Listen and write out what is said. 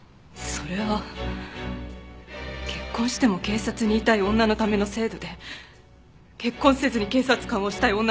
それは結婚しても警察にいたい女のための制度で結婚せずに警察官をしたい女のための制度ではありません。